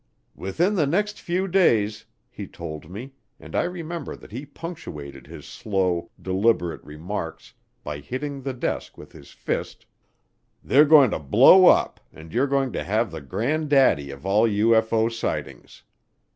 "Within the next few days," he told me, and I remember that he punctuated his slow, deliberate remarks by hitting the desk with his fist, "they're going to blow up and you're going to have the granddaddy of all UFO sightings.